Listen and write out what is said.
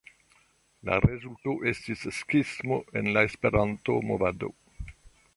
La rezulto estis skismo en la esperanto-movado.